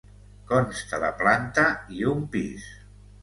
Consta de planta i un pis.